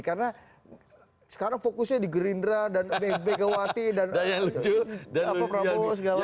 karena sekarang fokusnya di gerindra dan mfb kewati dan pak prabowo segala macam